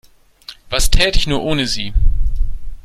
Was täte ich nur ohne Sie?